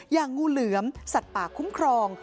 อย่างงูเหลือมสัตว์ปากคุ้มครอง